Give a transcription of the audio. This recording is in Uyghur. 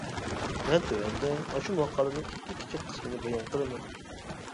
مەن تۆۋەندە ئاشۇ ماقالىنىڭ ئىككى كىچىك قىسمىنى بايان قىلىمەن.